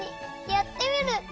やってみる！